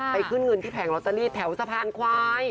ขึ้นเงินที่แผงลอตเตอรี่แถวสะพานควาย